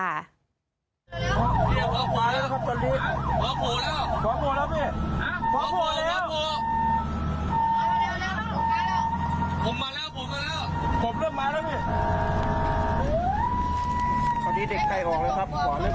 อันนี้เด็กใกล้ออกเลยครับ